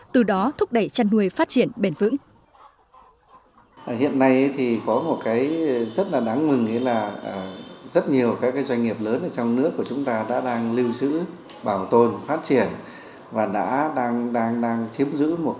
từ đó thúc đẩy chăn nuôi phát triển bền vững